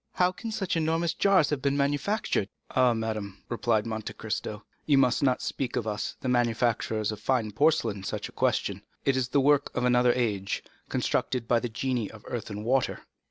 How can such enormous jars have been manufactured?" "Ah! madame," replied Monte Cristo, "you must not ask of us, the manufacturers of fine porcelain, such a question. It is the work of another age, constructed by the genii of earth and water."